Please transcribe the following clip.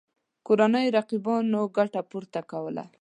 کورنیو رقیبانو ګټه پورته کوله.